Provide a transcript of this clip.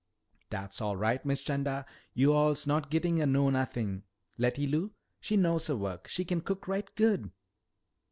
"Dat's all right, Miss 'Chanda. Yo'all's not gittin' a know nothin'. Letty Lou, she knows her work. She kin cook right good."